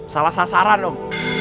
salah sasaran om